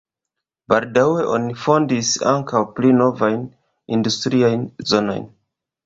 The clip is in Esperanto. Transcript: Baldaŭe oni fondis ankaŭ pli novajn industriajn zonojn.